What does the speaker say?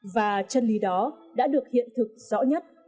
và chân lý đó đã được hiện thực rõ nhất